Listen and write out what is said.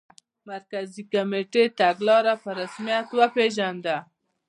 مرکزي کمېټې تګلاره په رسمیت وپېژنده.